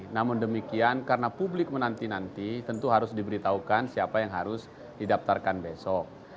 namun demikian karena publik menanti nanti tentu harus diberitahukan siapa yang harus didaftarkan besok